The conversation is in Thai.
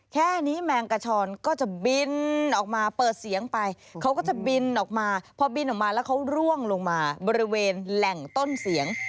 แค่นี้แมงกระชอนก็จะบินออกมาเปิดเสียงไปเขาก็จะบินออกมาพอบินออกมาแล้วเขาร่วงลงมาบริเวณแหล่งต้นเสียง